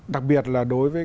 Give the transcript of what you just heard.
đặc biệt là đối với